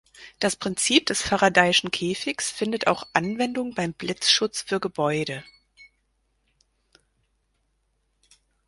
Das Prinzip des faradayschen Käfigs findet auch Anwendung beim Blitzschutz für Gebäude.